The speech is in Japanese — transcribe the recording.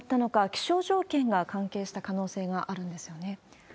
気象条件が関係した可能性があるんですよね？